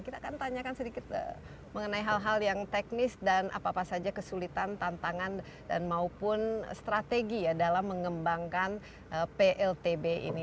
kita akan tanyakan sedikit mengenai hal hal yang teknis dan apa apa saja kesulitan tantangan dan maupun strategi ya dalam mengembangkan pltb ini